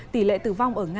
tỷ lệ tử vong ở nga